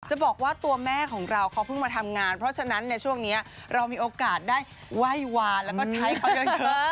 จะบอกว่าตัวแม่ของเราเขาเพิ่งมาทำงานเพราะฉะนั้นในช่วงนี้เรามีโอกาสได้ไหว้วานแล้วก็ใช้เขาเยอะ